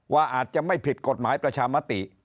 อาจจะไม่ผิดกฎหมายประชามติ